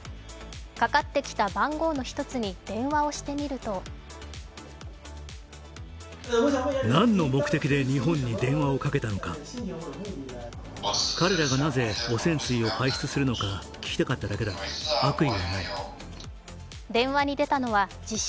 かかってきた番号の一つに電話をしてみると電話に出たのは自称